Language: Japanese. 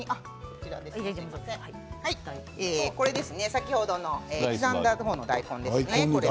先ほどの刻んだ方の大根ですね。